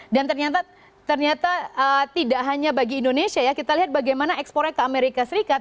dan ternyata tidak hanya bagi indonesia ya kita lihat bagaimana ekspornya ke amerika serikat